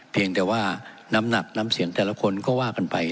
เพียงแต่ว่าน้ำหนักน้ำเสียงแต่ละคนก็ว่ากันไป